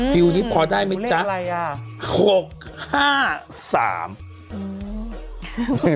ฟิวนี้พอได้ไหมจ๊ะ